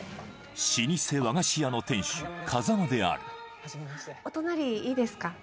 老舗和菓子屋の店主風間である初めましてお隣いいですか？